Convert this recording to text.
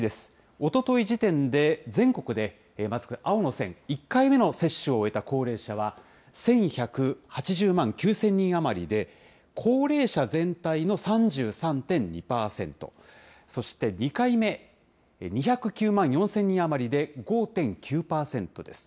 おととい時点で全国で、まずこれ、青の線、１回目の接種を終えた高齢者は１１８０万９０００人余りで、高齢者全体の３３．２％、そして２回目、２０９万４０００人余りで、５．９％です。